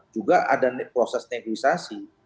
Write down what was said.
juga ada proses negisasi